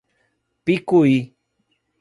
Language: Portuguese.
Picuí